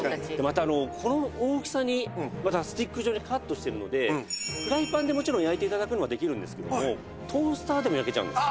またこの大きさにスティック状にカットしてるのでフライパンでもちろん焼いて頂くのはできるんですけどもトースターでも焼けちゃうんです。